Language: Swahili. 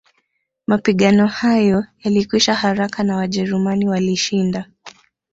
Mapigano hayo yalikwisha haraka na Wajerumani walishinda